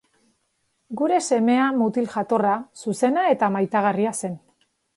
Gure semea mutil jatorra, zuzena eta maitagarria zen.